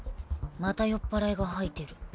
また酔っぱらいが吐いてる。